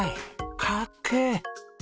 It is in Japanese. かっけー！